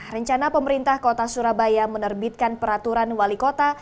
rencana pemerintah kota surabaya menerbitkan peraturan wali kota